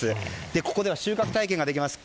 ここでは収穫体験ができます。